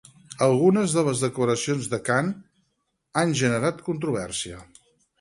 Algunes de les declaracions de Khan han generat controvèrsia.